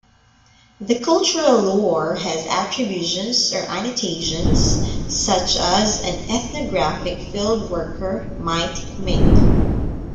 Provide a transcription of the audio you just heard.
The cultural lore has attributions or annotations such as an ethnographic fieldworker might make.